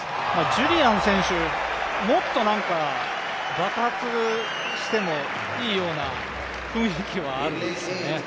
ジュリアン選手、もっと爆発してもいいような雰囲気はあるんですよね。